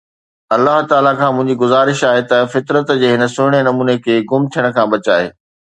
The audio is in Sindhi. الله تعاليٰ کان منهنجي گذارش آهي ته فطرت جي هن سهڻي نموني کي گم ٿيڻ کان بچائي